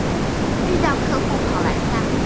遇到客戶跑來散步